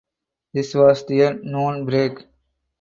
This was their noon break.